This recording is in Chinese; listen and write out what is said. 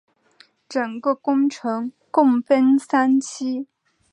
整个工程共分三期。